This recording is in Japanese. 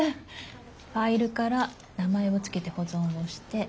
ファイルから名前を付けて保存をして。